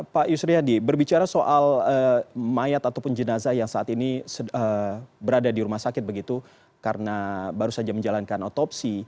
pak yusri hadi berbicara soal mayat ataupun jenazah yang saat ini berada di rumah sakit begitu karena baru saja menjalankan otopsi